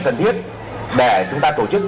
cần thiết để chúng ta tổ chức